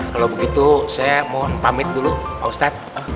kalau begitu saya mohon pamit dulu pak ustadz